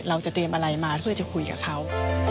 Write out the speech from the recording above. เราจะเตรียมอะไรมาเพื่อจะคุยกับเขา